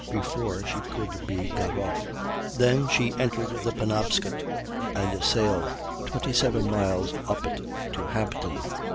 before she could be got off. Then she entered the Penobscot, and sailed 27 miles up it to Hampden.